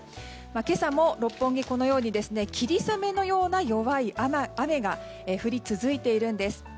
今朝も六本木は霧雨のような弱い雨が降り続いているんです。